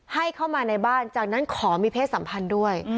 ให้เข้ามาในบ้านจากนั้นขอมีเพศสัมพันธ์ด้วย